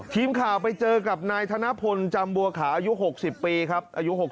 ทีมข่าวไปเจอกับนายธนพลจำบัวขาอายุ๖๐ปีครับอายุ๖๐